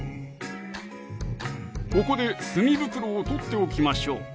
ここで墨袋を取っておきましょう